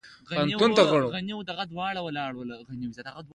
د نجونو پرائمري سکول کلي شېر محمد تارڼ.